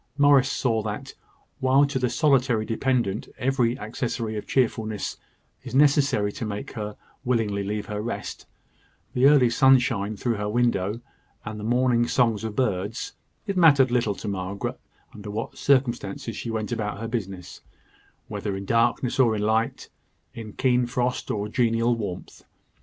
Morris saw that, while to the solitary dependant every accessory of cheerfulness is necessary to make her willingly leave her rest the early sunshine through her window, and the morning songs of birds it mattered little to Margaret under what circumstances she went about her business whether in darkness or in light, in keen frost or genial warmth.